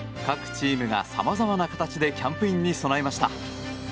各チームがさまざまな形でキャンプインに備えました。